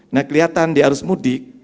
nah kelihatan di arus mudik